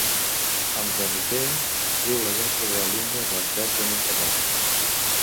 Amb de Riquer escriu la lletra de l'Himne del Terç de Montserrat.